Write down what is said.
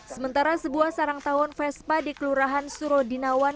sementara sebuah sarang tawon vespa di kelurahan surodinawan